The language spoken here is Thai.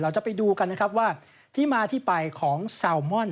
จะไปดูกันนะครับว่าที่มาที่ไปของแซลมอน